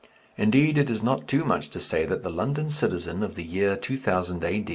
Indeed, it is not too much to say that the London citizen of the year 2000 A.